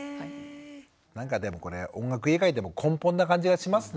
なんかでもこれ音楽以外でも根本な感じがしますね。